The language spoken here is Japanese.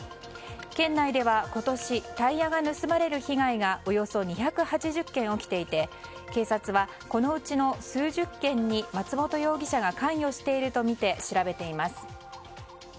県内では今年タイヤが盗まれる被害がおよそ２８０件起きていて警察は、このうちの数十件に松本容疑者が関与しているとみて調べています。